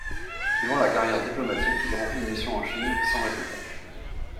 Suivant la carrière diplomatique, il remplit une mission en Chine, sans résultat.